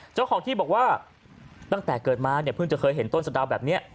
เจ้าของที่บอกว่าตั้งแต่เกิดมาเนี่ยเพิ่งจะเคยเห็นต้นสะดาวแบบนี้